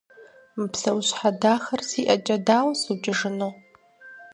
Мы псэущхьэ дахэр си ӀэкӀэ дауэ сукӀыжыну?